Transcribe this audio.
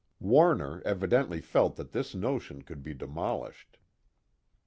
Warner evidently felt that this notion could be demolished.